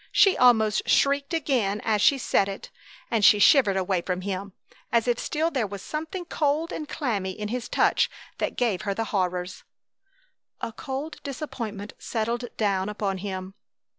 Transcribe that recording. She almost shrieked again as she said it, and she shivered away from him, as if still there were something cold and clammy in his touch that gave her the horrors. A cold disappointment settled down upon him.